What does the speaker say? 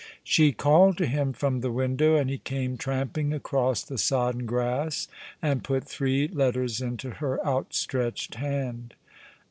She called to him from the window, and he came tramping across the sodden grass and put three letters into her out stretched hand.